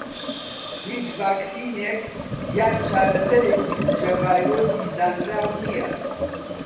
هیچ ڤاکسینێک یان چارەسەرێکی دژە ڤایرۆسی زانراو نیە.